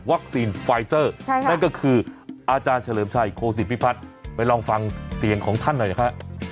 ไฟเซอร์นั่นก็คืออาจารย์เฉลิมชัยโคศิพิพัฒน์ไปลองฟังเสียงของท่านหน่อยนะฮะ